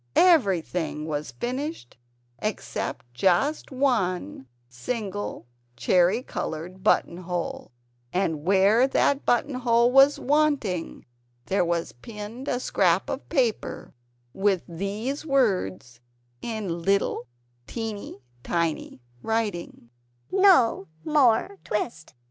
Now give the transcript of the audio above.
Everything was finished except just one single cherry coloured buttonhole, and where that buttonhole was wanting there was pinned a scrap of paper with these words in little teeny weeny writing NO MORE TWIST.